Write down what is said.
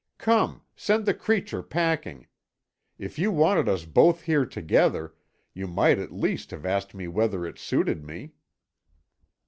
Come, send the creature packing. If you wanted us both here together, you might at least have asked me whether it suited me...."